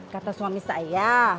kata suami saya